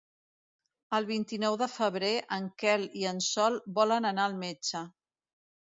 El vint-i-nou de febrer en Quel i en Sol volen anar al metge.